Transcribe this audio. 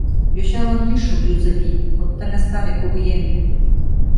Йочалан лишыл юзо вий, От таҥастаре кугыеҥ ден.